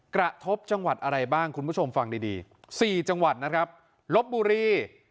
กระทบจังหวัดอะไรบ้างคุณผู้ชมฟังดีดี